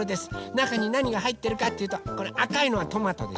なかになにがはいってるかっていうとこのあかいのはトマトでしょ。